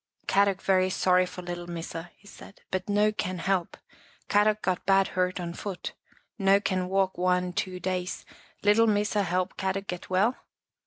" Kadok very sorry for little Missa," he said. " But no can help. Kadok got bad hurt on foot. No can walk one, two days. Little Missa help Kadok get well?"